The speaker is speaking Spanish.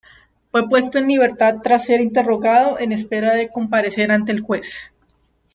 Fue puesto en libertad tras ser interrogado, en espera de comparecer ante el Juez.